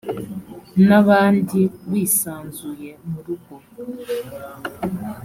n abandi wisanzuye mu rugo